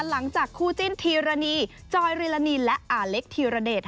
หลังจากคู่จิ้นธีรณีจอยริลานีและอาเล็กธีรเดช